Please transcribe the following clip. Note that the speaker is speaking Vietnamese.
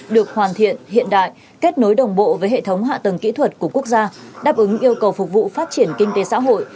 được hoàn thiện hiện đại kết nối đồng bộ với hệ thống hạ tầng kỹ thuật của quốc gia đáp ứng yêu cầu phục vụ phát triển kinh tế xã hội